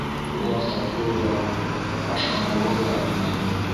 Улар татлы ла, ашҡыныулы ла ине.